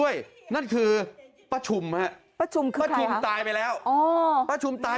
ยังไม่อยากตาย